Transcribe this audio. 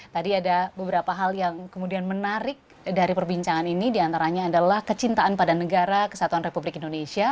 tadi ada beberapa hal yang kemudian menarik dari perbincangan ini diantaranya adalah kecintaan pada negara kesatuan republik indonesia